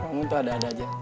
kamu tuh ada ada aja